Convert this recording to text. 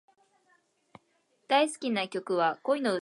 大好きな曲は、恋の歌です。